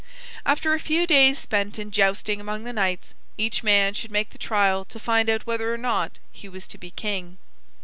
After a few days spent in jousting among the knights, each man should make the trial to find out whether or not he was to be king.